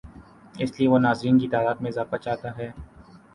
اس کے لیے وہ ناظرین کی تعداد میں اضافہ چاہتا ہے۔